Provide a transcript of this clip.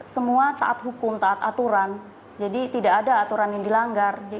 semua taat hukum taat aturan jadi tidak ada aturan yang dilanggar